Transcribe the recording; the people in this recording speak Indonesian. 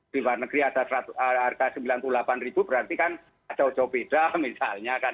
di luar negeri ada harga rp sembilan puluh delapan berarti kan jauh jauh beda misalnya kan